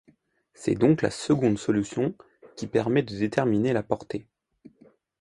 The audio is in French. C'est donc la seconde solution qui permet de déterminer la portée.